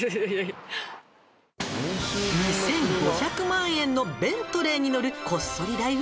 「２，５００万円のベントレーに乗るこっそり大富豪さん」